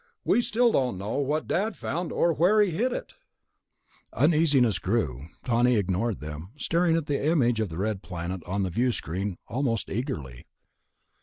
"We still don't know what Dad found, or where he hid it...." The uneasiness grew. Tawney ignored them, staring at the image of the red planet on the viewscreen almost eagerly.